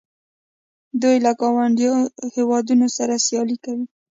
دوی له ګاونډیو هیوادونو سره سیالي کوي.